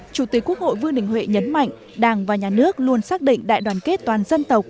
chủ tịch quốc hội vương đình huệ nhấn mạnh đảng và nhà nước luôn xác định đại đoàn kết toàn dân tộc